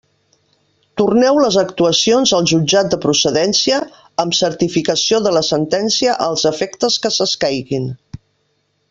Torneu les actuacions al Jutjat de procedència amb certificació de la sentència als efectes que s'escaiguin.